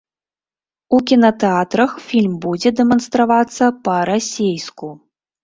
У кінатэатрах фільм будзе дэманстравацца па-расейску.